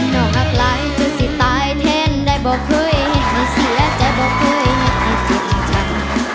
น้องห้าปลายจนสิตายแทนได้บอกเคยให้เสียใจบอกเคยให้จิตใจ